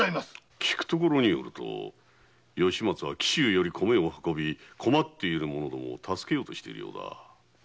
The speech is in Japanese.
聞くと吉松は紀州より米を運び困っている者どもを助けようとしているようだ。